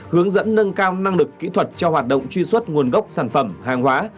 hướng dẫn nâng cao năng lực kỹ thuật cho hoạt động truy xuất nguồn gốc sản phẩm hàng hóa